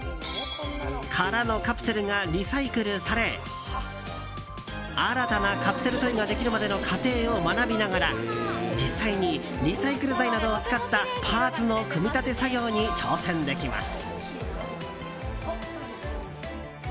空のカプセルがリサイクルされ新たなカプセルトイができるまでの過程を学びながら実際にリサイクル材などを使ったパーツの組み立て作業に挑戦できます。